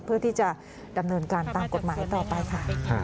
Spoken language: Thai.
เพื่อที่จะดำเนินการตามกฎหมายต่อไปค่ะ